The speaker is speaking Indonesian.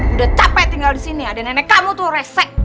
udah capek tinggal disini ada nenek kamu tuh resek